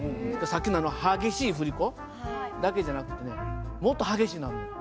さっきのあの激しい振り子だけじゃなくてねもっと激しいのあるのよ。